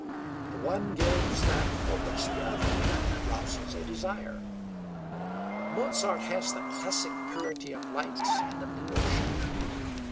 The one gives that for which the other rouses a desire. Mozart has the classic purity of light and the blue ocean.